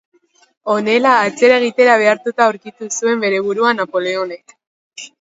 Honela, atzera egitera behartuta aurkitu zuen bere burua Napoleonek.